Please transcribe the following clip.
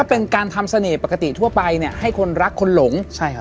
เป็นการทำเสน่ห์ปกติทั่วไปเนี่ยให้คนรักคนหลงใช่ครับ